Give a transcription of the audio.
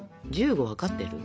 １５分かってる？